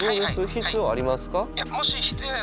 必要ありますか？